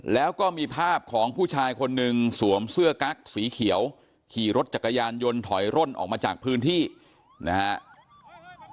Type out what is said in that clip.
แล้วก็มีภาพของผู้ชายคนหนึ่งสวมเสื้อกั๊กสีเขียวขี่รถจักรยานยนต์ถอยร่นออกมาจากพื้นที่นะครับ